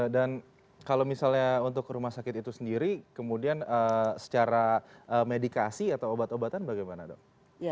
dan kalau misalnya untuk rumah sakit itu sendiri kemudian secara medikasi atau obat obatan bagaimana dong